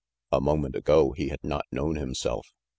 A moment ago he had not known himself.